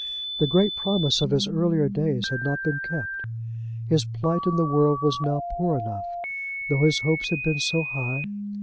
The great promise of his earlier days had not been kept. His plight in the world was now poor enough, though his hopes had been so high!